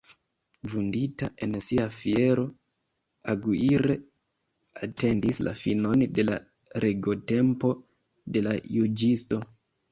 Vundita en sia fiero, Aguirre atendis la finon de la regotempo de la juĝisto.